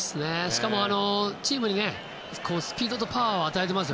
しかもチームにスピードとパワーを与えています